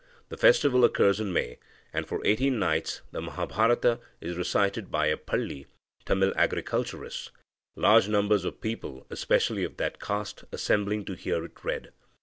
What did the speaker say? The festival occurs in May, and for eighteen nights the Mahabharata is recited by a Palli (Tamil agriculturist), large numbers of people, especially of that caste, assembling to hear it read.